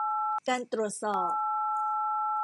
การตรวจสอบ